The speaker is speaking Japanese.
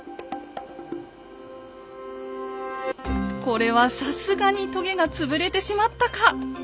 これはさすがにとげが潰れてしまったか？